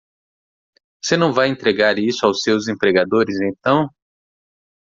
Você não vai entregar isso aos seus empregadores então?